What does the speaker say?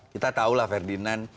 kita tahulah ferdinand